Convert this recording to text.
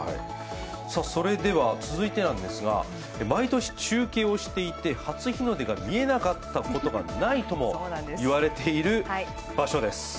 続いて、毎年中継をしていて初日の出が見えなかったことがないとも言われている場所です。